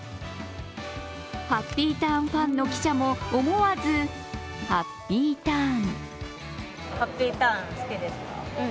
ハッピーターンファンの記者も思わずハッピーターン。